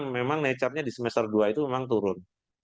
memang necapnya di semester dua itu memang turun